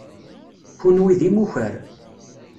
Kunwi d imukar.